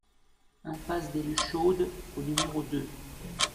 Impasse des Luchaudes au numéro deux